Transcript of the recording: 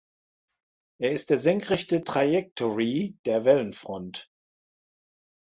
Er ist die senkrechte Trajektorie der Wellenfront.